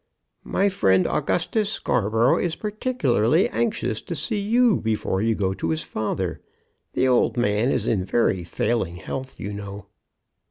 "My friend, Augustus Scarborough, is particularly anxious to see you before you go to his father. The old man is in very failing health, you know."